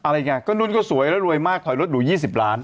อะไรอย่างนั้นก็นู่นก็สวยแล้วรวยมากถอยรถหนู๒๐ล้าน